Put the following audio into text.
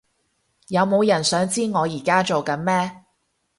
有冇人想知我而家做緊咩？